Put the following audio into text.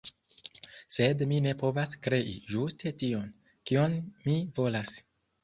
sed mi ne povas krei ĝuste tion, kion mi volas.